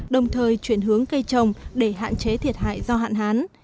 đồng thời chuyển hướng cây trồng để hạn chế thiệt hại do hạn hán